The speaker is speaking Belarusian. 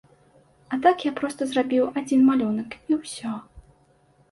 А так я проста зрабіў адзін малюнак і ўсё.